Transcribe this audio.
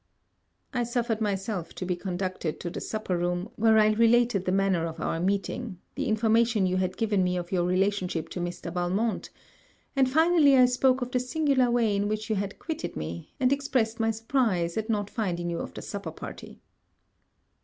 I suffered myself to be conducted to the supper room, where I related the manner of our meeting, the information you had given me of your relationship to Mr. Valmont; and finally I spoke of the singular way in which you had quitted me, and expressed my surprise at not finding you of the supper party.